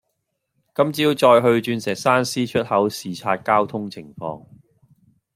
今朝再去鑽石山 C 出口視察交通情況